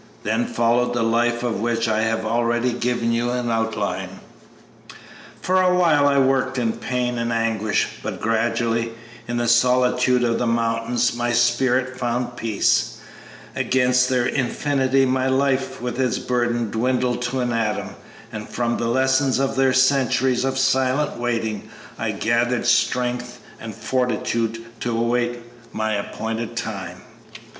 Then followed the life of which I have already given you an outline. "For a while I worked in pain and anguish, but gradually, in the solitude of the mountains, my spirit found peace; against their infinity my life with its burden dwindled to an atom, and from the lesson of their centuries of silent waiting I gathered strength and fortitude to await my appointed time.